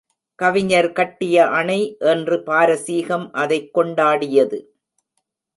கவிஞர் கட்டிய அணை என்று பாரசீகம் அதைக் கொண்டாடியது.